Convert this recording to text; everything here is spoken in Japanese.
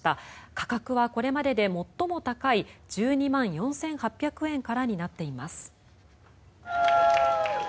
価格はこれまでで最も高い１２万４８００円からになっています。